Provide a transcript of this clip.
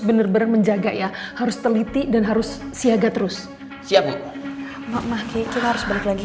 bener bener menjaga ya harus teliti dan harus siaga terus siap mak maki kita harus balik lagi